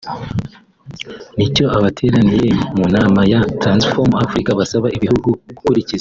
nicyo abateraniye mu nama ya Transform Afrika basaba ibihugu gukurikiza